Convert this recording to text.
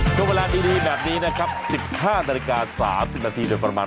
ช่วงเวลานี้ดีแบบนี้นะครับ๑๕นาฏการณ์๓๐นาทีโดยประมาณมาเจอกับเราสองคน